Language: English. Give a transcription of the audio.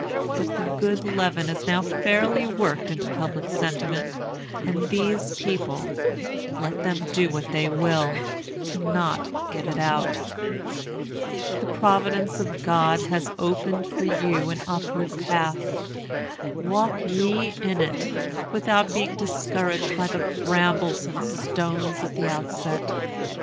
But the good leaven is now fairly worked into public sentiment, and these people, let them do what they will, cannot get it out. The providence of God has opened for you an upward path. Walk ye in it, without being discouraged by the brambles and stones at the outset.